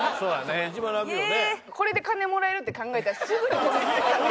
これで金もらえるって考えたらすぐにコンビ組みたい。